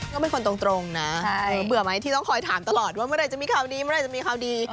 ก็เป็นคนตรงนะเออเบื่อไหมที่ต้องคอยถามตลอดว่าเมื่อไหร่จะมีข่าวดี